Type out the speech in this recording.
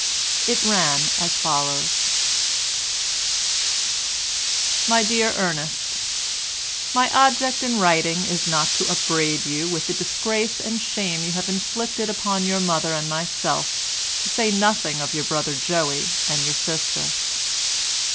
It ran as follows:— "My dear Ernest, My object in writing is not to upbraid you with the disgrace and shame you have inflicted upon your mother and myself, to say nothing of your brother Joey, and your sister.